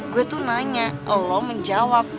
gue tuh nanya allah menjawab